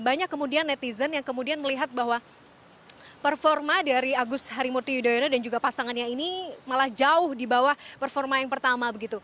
banyak kemudian netizen yang kemudian melihat bahwa performa dari agus harimurti yudhoyono dan juga pasangannya ini malah jauh di bawah performa yang pertama